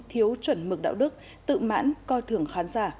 thiếu chuẩn mực đạo đức tự mãn coi thường khán giả